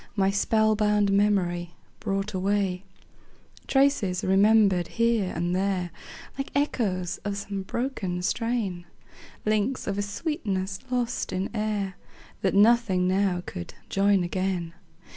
My spell bound memory brought away; Traces, remembered here and there, Like echoes of some broken strain; Links of a sweetness lost in air, That nothing now could join again.